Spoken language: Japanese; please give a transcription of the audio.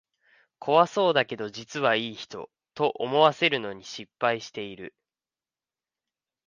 怖そうだけど実はいい人、と思わせるのに失敗してる